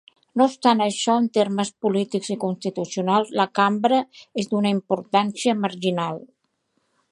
No obstant això, en termes polítics i constitucionals, la cambra és d"una importància marginal.